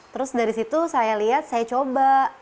terus dari situ saya lihat saya coba